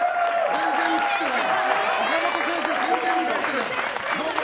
全然映ってない。